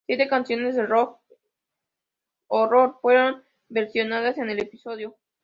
Siete canciones de "Rocky Horror" fueron versionadas en el episodio.